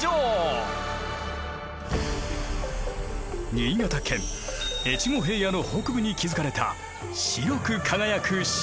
新潟県越後平野の北部に築かれた白く輝く城。